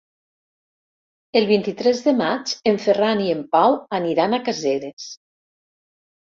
El vint-i-tres de maig en Ferran i en Pau aniran a Caseres.